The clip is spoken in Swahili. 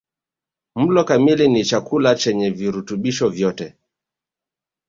Mlo kamili ni chakula chenye virutubishi vyote